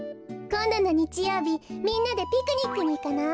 こんどのにちようびみんなでピクニックにいかない？